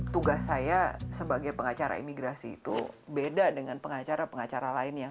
tugas saya sebagai pengacara imigrasi itu beda dengan pengacara pengacara lainnya